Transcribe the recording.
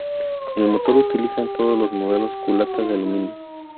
El motor utiliza en todos los modelos culata de aluminio.